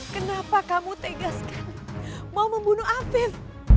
kenapa kamu tegaskan mau membunuh afif